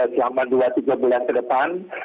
selama dua tiga bulan ke depan